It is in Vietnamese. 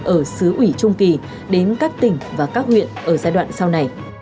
ở xứ ủy trung kỳ đến các tỉnh và các huyện ở giai đoạn sau này